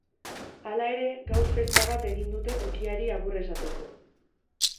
Hala ere, gaur festa bat egin dute tokiari agur esateko.